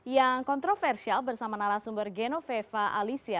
yang kontroversial bersama nalasumber geno vefa alisia